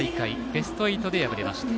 ベスト８で敗れました。